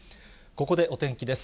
ここでお天気です。